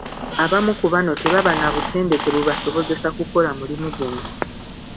Abamu ku bano tebaba na butendeke bubasobozesa kukola mulimu guno.